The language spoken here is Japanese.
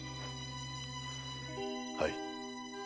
はい。